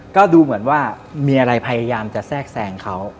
ก็ดูเหมือนว่ามีอะไรพยายามจะแทรกแซงเขา